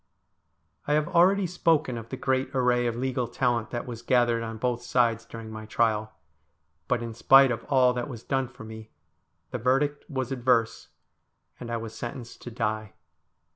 I have already spoken of the great array of legal talent that was gathered on both sides during my trial ; but, in spite of all that was done for me, the verdict was adverse, and I was sentenced to die.